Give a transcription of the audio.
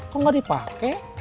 kok nggak dipake